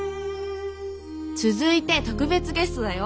続いて特別ゲストだよ。